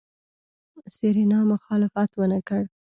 سېرېنا مخالفت ونکړ.